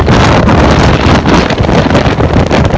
แต่ว่าเมืองนี้ก็ไม่เหมือนกับเมืองอื่น